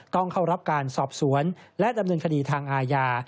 ต้องเข้ารับการสอบสวนและดำเนินคดีทางอาญา